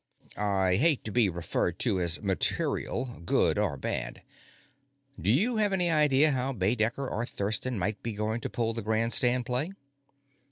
"I hate to be referred to as 'material', good or bad. Do you have any idea how Baedecker or Thurston might be going to pull the grand stand play?"